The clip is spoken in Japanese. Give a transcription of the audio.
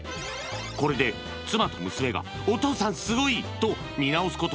これで妻と娘が「お父さんスゴい！」と見直すこと